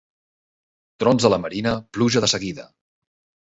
Trons a la marina, pluja de seguida.